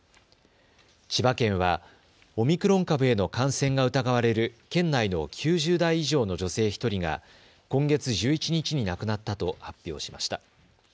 千葉県はオミクロン株への感染が疑われる県内の９０代以上の女性１人が今月１１日に亡くなったと発表しました。